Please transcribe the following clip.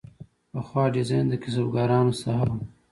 پخوا ډیزاین د کسبکارانو ساحه وه.